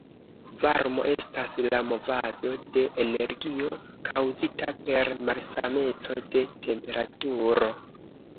Varmo estas la movado de energio kaŭzita per malsameco de temperaturo.